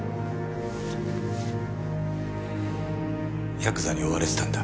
ヤクザに追われてたんだ。